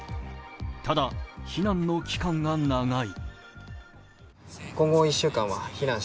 ただ、避難の期間が長い。